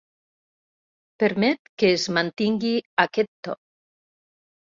Permet que es mantingui aquest to.